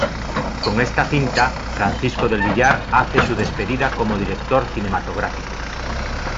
Con esta cinta Francisco del Villar hace su despedida como director cinematográfico.